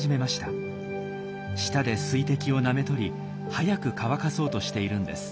舌で水滴をなめ取り早く乾かそうとしているんです。